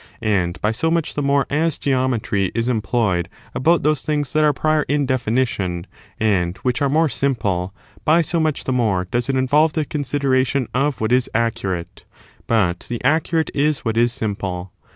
And by so much the more as Geometry is of geometry employed about those things that are prior in SSy!^ definition, and which are more simple, by so much the more does it involve the considera tion of what is accurate ; but the accurate is what is simple.